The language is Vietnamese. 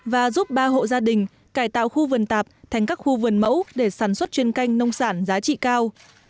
và giúp ba hộ gia đình cải tạo khu vườn tạp thành các khu vườn mẫu để sản xuất chuyên canh nông sản giá trị cao